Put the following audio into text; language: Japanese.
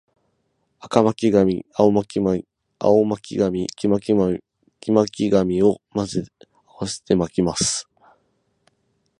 赤巻紙、青巻紙、黄巻紙を混ぜ合わせて巻きます